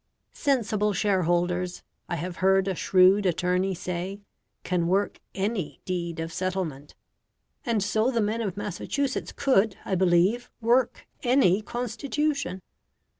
Sensible shareholders, I have heard a shrewd attorney say, can work ANY deed of settlement; and so the men of Massachusetts could, I believe, work ANY Constitution.